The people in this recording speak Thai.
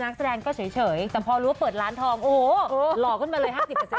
นักแสดงก็เฉยแต่พอรู้ว่าเปิดร้านทองโอ้โหหล่อขึ้นมาเลย๕๐